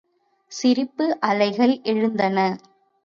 சிரிப்பு அலைகள் எழுந்தன.